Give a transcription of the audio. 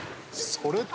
それと？」